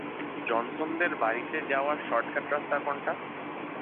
জনসনদের বাড়িতে যাওয়ার শর্টকাট রাস্তা কোনটা?